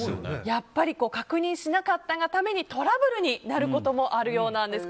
やっぱり確認しなかったがためにトラブルになることもあるようなんです。